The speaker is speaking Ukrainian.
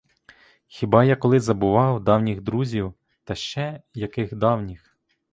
Хіба я коли забував давніх друзів, та ще яких давніх!